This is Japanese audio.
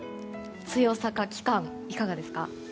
強さか期間、いかがですか？